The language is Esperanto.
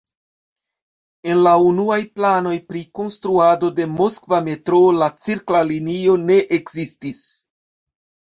En la unuaj planoj pri konstruado de Moskva metroo la cirkla linio ne ekzistis.